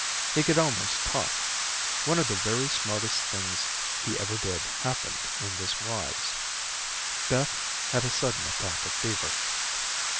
He could almost talk. One of the very smartest things he ever did happened in this wise: Beth had a sudden attack of fever.